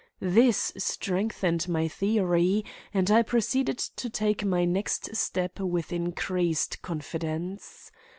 This strengthened my theory, and I proceeded to take my next step with increased confidence.